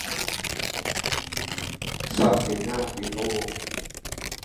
Fennell himself conducted at Interlochen at the age of seventeen.